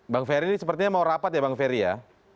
bang ferry ini sepertinya mau rapat ya bang ferry ya